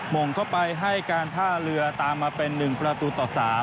มงเข้าไปให้การท่าเรือตามมาเป็น๑ประตูต่อ๓